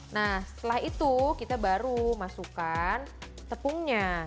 nah setelah itu kita baru masukkan tepungnya